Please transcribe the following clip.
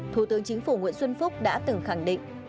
thủ tướng chính phủ nguyễn xuân phúc đã từng khẳng định